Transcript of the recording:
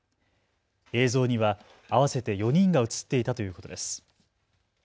映像には合わせて４人が写っていたということです。